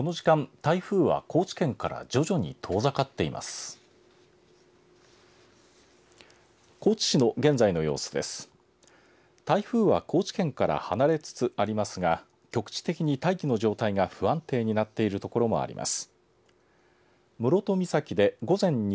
台風は高知県から離れつつありますが局地的に大気の状態が不安定になっている所もあります。